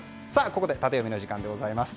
ここでタテヨミの時間でございます。